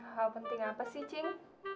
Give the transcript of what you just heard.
hal penting apa sih cheng